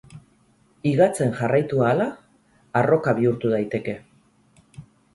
Higatzen jarraitu ahala arroka bihurtu daiteke.